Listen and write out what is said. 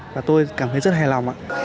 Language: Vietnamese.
và tôi cảm thấy rất hài lòng